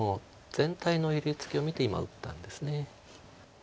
全体の寄り付きを見て今打ったんです。